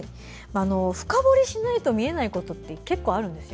深掘りしないと見えないことって結構、あるんですよ。